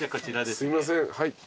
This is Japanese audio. すいませんはい。